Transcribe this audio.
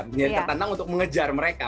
menjadi tertantang untuk mengejar mereka